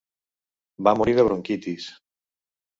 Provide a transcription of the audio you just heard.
Va morir de bronquitis.